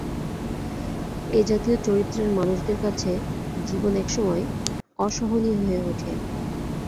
এ-জাতীয় চরিত্রের মানুষদের কাছে জীবন একসময় অসহনীয় হয়ে ওঠে।